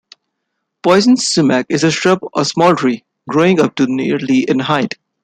Poison sumac is a shrub or small tree, growing up to nearly in height.